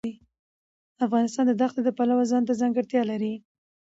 افغانستان د دښتې د پلوه ځانته ځانګړتیا لري.